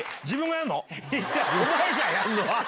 やるのは。